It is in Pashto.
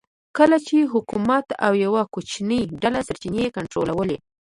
کله چې حکومت او یوه کوچنۍ ډله سرچینې کنټرولوي